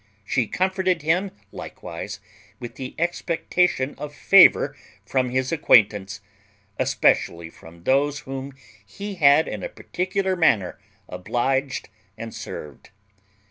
She comforted him likewise with the expectation of favour from his acquaintance, especially from those whom he had in a particular manner obliged and served.